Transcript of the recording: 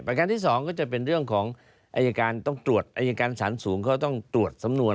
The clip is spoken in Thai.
การที่สองก็จะเป็นเรื่องของอายการต้องตรวจอายการสารสูงเขาต้องตรวจสำนวน